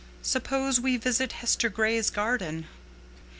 "Suppose we visit Hester Gray's garden."